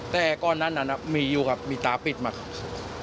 แต่ก่อนนั้นมีอยู่ครับมีตาปิดมาครับ